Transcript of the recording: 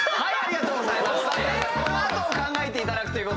はい！